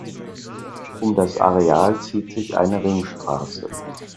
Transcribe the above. Um das Areal zieht sich eine Ringstraße.